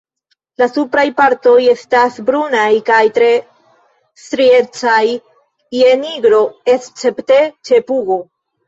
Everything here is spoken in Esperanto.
La supraj partoj estas brunaj kaj tre striecaj je nigro, escepte ĉe pugo.